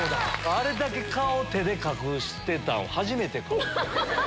あれだけ顔手で隠してたの初めて。